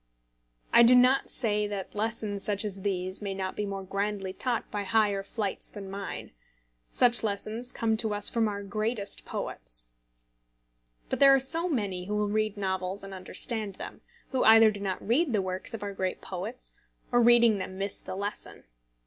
I do not say that lessons such as these may not be more grandly taught by higher flights than mine. Such lessons come to us from our greatest poets. But there are so many who will read novels and understand them, who either do not read the works of our great poets, or reading them miss the lesson!